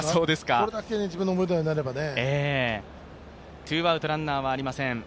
これだけ自分の思いどおりになればね。